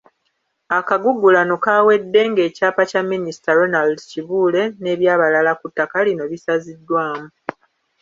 Akagugulano kaawedde ng’ekyapa kya Minisita Ronald Kibuule n’eby'abalala ku ttaka lino bisaziddwamu.